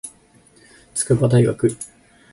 筑波大学